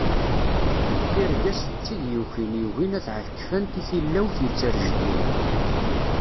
Tirga-s d tid yukin yugin ad ɛekfent i tilawt yettrejdilen.